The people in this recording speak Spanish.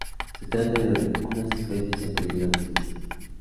Se trata de unas especies en peligro de extinción.